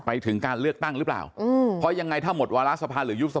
ไปถึงการเลือกตั้งหรือเปล่าเพราะยังไงถ้าหมดวาระสภาหรือยุบสภา